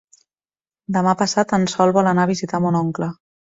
Demà passat en Sol vol anar a visitar mon oncle.